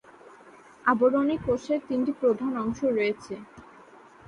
আবরণী কোষের তিনটি প্রধান অংশ রয়েছে।